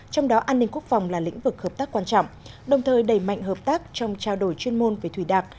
trong đó an ninh quốc phòng là lĩnh vực hợp tác quan trọng đồng thời đẩy mạnh hợp tác trong trao đổi chuyên môn về thủy đặc